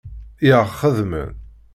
I aɣ-xedmen.